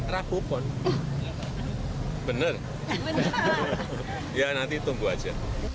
rabupon bener ya nanti tunggu aja